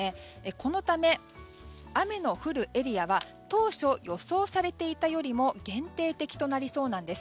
このため、雨の降るエリアは当初、予想されていたよりも限定的となりそうなんです。